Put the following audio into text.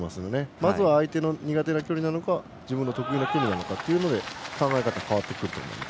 まずは相手の苦手な距離なのか得意な距離なのかというので考え方が変わってくると思います。